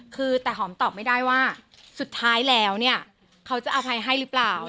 คือแต่หอมตอบไม่ได้ว่าสุดท้ายแล้วเนี่ยเขาจะอภัยให้หรือเปล่า